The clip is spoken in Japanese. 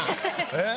えっ？